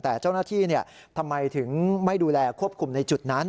แต่เจ้าหน้าที่ทำไมถึงไม่ดูแลควบคุมในจุดนั้น